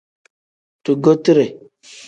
Dugotire.